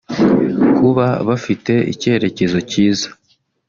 Kuba bafite icyerekezo cyiza